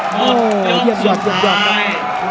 โหยกสุดท้าย